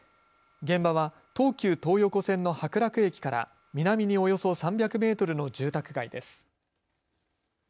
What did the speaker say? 現場は東急東横線の白楽駅から南におよそ３００メートルの住宅街です。